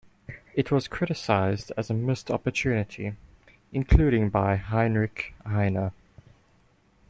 It was criticized as a missed opportunity, including by Heinrich Heine.